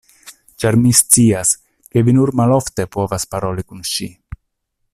Ĉar mi scias, ke vi nur malofte povas paroli kun ŝi!